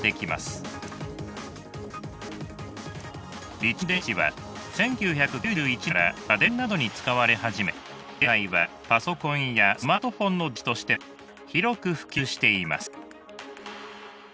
リチウムイオン電池は１９９１年から家電などに使われ始め現在はパソコンやスマートフォンの電池としても広く普及しています。